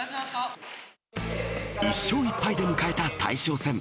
１勝１敗で迎えた大将戦。